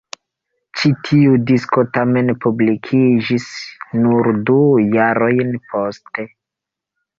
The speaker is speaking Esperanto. Ĉi tiu disko tamen publikiĝis nur du jarojn poste.